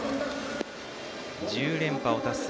１０連覇を達成。